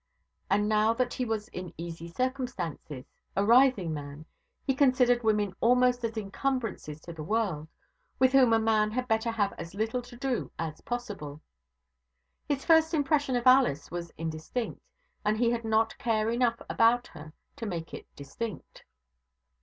And now that he was in easy circumstances, a rising man, he considered women almost as encumbrances to the world, with whom a man had better have as little to do as possible. His first impression of Alice was indistinct, and he did not care enough about her to make it distinct.